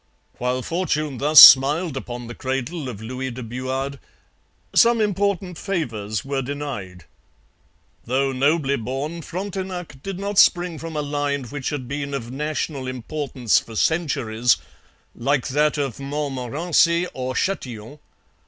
While fortune thus smiled upon the cradle of Louis de Buade, some important favours were denied. Though nobly born, Frontenac did not spring from a line which had been of national importance for centuries, like that of Montmorency or Chatillon.